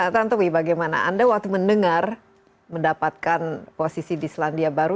tantowi bagaimana anda waktu mendengar mendapatkan posisi di selandia baru